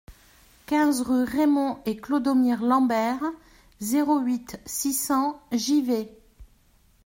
quinze rue Raymond et Clodomir Lamber, zéro huit, six cents Givet